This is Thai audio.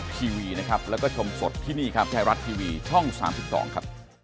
สวัสดีครับ